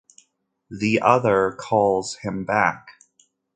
The other calls him back.